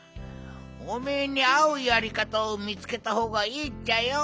おめえにあうやりかたをみつけたほうがいいっちゃよ。